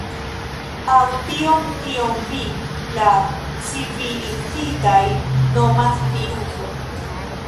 Aŭ tion kion vi, la civilizitaj, nomas viruso.